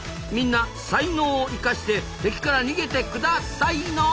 みんな「才能」を生かして敵から逃げてくだ「さいの」。